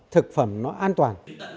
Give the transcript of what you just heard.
thực phẩm nó an toàn